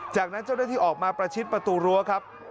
จากนั้นเจ้าหน้าที่ออกมาประชิดประตูรั้วครับ